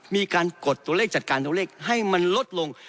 กดตัวเลขจัดการตัวเลขให้มันลดลง